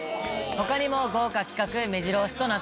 他にも豪華企画めじろ押しとなっております。